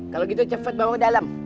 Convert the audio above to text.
kalau gitu cepat bawa ke dalam